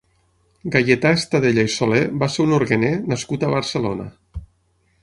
Gaietà Estadella i Solé va ser un orguener nascut a Barcelona.